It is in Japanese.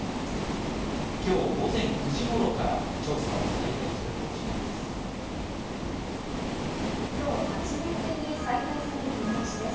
今日午前９時頃から調査を再開する方針です。